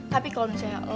tapi kalau misalnya lo